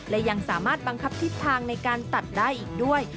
และยังสามารถบังคับทิศทางในการตัดได้อีกด้วย